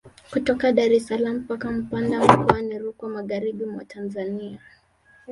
Kutoka Dar es salaam mpaka Mpanda mkoa ni Rukwa magharibi mwa Tanzania